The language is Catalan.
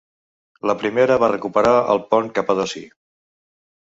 La primera va recuperar el Pont Capadoci.